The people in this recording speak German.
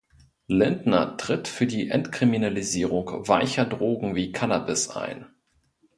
Lindner tritt für die Entkriminalisierung weicher Drogen wie Cannabis ein.